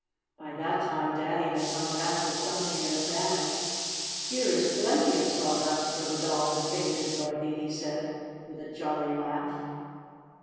By that time Daddy had come back with something in a bag. "Here is plenty of sawdust for the doll that fainted, Dorothy," he said with a jolly laugh.